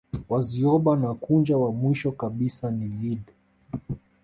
Wazyoba na Kunja wa mwisho kabisa ni vide